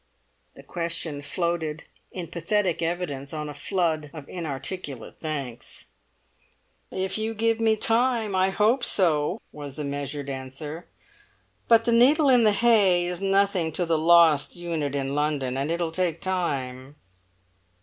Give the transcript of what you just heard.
The question floated in pathetic evidence on a flood of inarticulate thanks. "If you give me time, I hope so," was the measured answer. "But the needle in the hay is nothing to the lost unit in London, and it will take time.